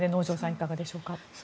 いかがでしょうか。